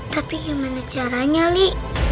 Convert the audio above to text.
tapi gimana caranya li